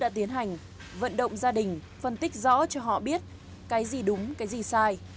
đã tiến hành vận động gia đình phân tích rõ cho họ biết cái gì đúng cái gì sai